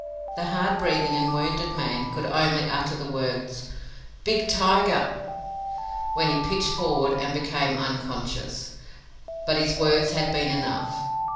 The hard breathing and wounded man could only utter the words "Big tiger," when he pitched forward and became unconscious. But his words had been enough.